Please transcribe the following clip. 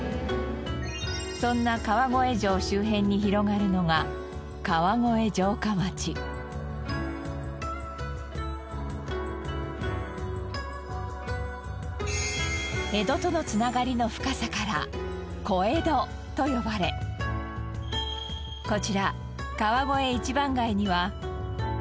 そんな川越城周辺に広がるのが江戸とのつながりの深さから小江戸と呼ばれこちら川越一番街には。